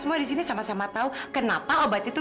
ada apa bu